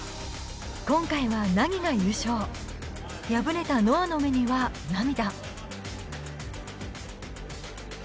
今回は７Ｇが優勝敗れたＮｏａの目には涙。